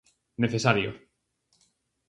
Necesario.